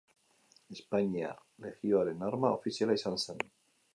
Espainiar Legioaren arma ofiziala izan zen.